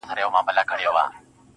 كه بې وفا سوې گراني .